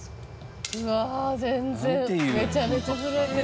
「うわ全然めちゃめちゃ震えてる」